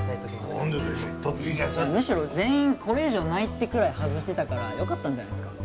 むしろ全員これ以上ないってくらい外してたからよかったんじゃないですか？